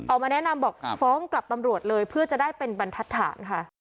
ออกมาแนะนำบอกฟ้องกลับตำรวจเลยเพื่อจะได้เป็นบรรทัศนค่ะ